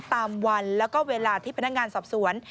ตามวันแล้วก็เวลาที่พนักงานสอบสวน